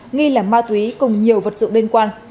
nghi là ma túy cùng nhiều vật dụng liên quan